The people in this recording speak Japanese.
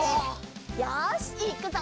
よしいくぞ！